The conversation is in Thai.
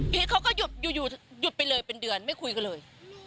พี่เขาก็หยุดไปเลยเป็นเดือนไม่คุยกันเลย